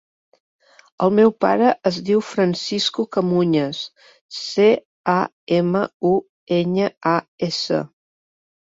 El meu pare es diu Francisco Camuñas: ce, a, ema, u, enya, a, essa.